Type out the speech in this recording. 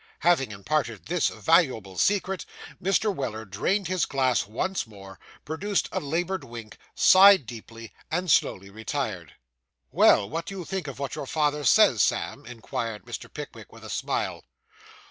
Having imparted this valuable secret, Mr. Weller drained his glass once more, produced a laboured wink, sighed deeply, and slowly retired. 'Well, what do you think of what your father says, Sam?' inquired Mr. Pickwick, with a smile.